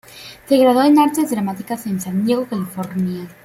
Se graduó en Artes Dramáticas en San Diego, California.